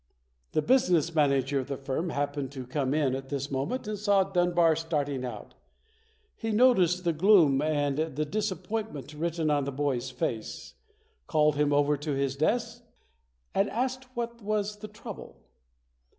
The business manager of the firm happened to come in at this moment and saw Dunbar starting out. He noticed the gloom and the disappoint ment written on the boy's face, called him over to his desk and asked what was the trouble.